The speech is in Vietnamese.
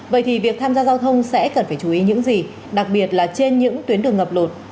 vậy thì việc tham gia giao thông sẽ cần phải chú ý những gì đặc biệt là trên những tuyến đường ngập lụt